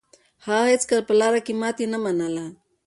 هغه هيڅکله په لاره کې ماتې نه منله.